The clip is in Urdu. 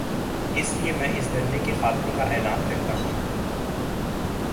اس لیے میں اس دھرنے کے خاتمے کا اعلان کر تا ہوں۔